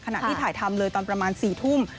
ขณะที่ถ่ายทำเลยตอนประมาณ๔ทุ่ม